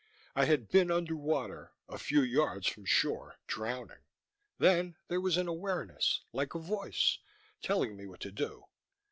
I had been under water, a few yards from shore, drowning. Then there was an awareness, like a voice, telling me what to do.